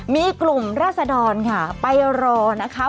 มีกลุ่มรัฐศดอลค่ะไปรอนะครับ